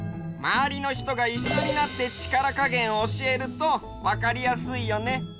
まわりの人がいっしょになって力加減を教えるとわかりやすいよね。